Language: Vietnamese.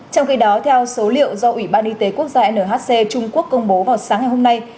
trong khi đó theo số liệu do ủy ban y tế quốc gia nhc trung quốc công bố vào sáng ngày hôm nay